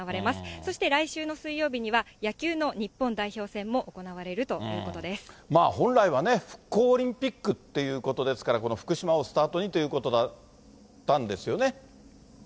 そして来週の水曜日には、野球の日本代表戦も行われるということ本来はね、復興オリンピックっていうことですから、この福島をスタートにということだったんですよね。